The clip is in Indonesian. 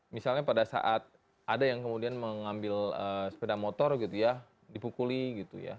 misalnya pada saat ada yang kemudian mengambil sepeda motor gitu ya dipukuli gitu ya